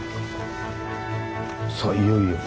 さあいよいよ。